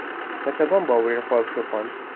Me tevan bi awirên xwe ew şopand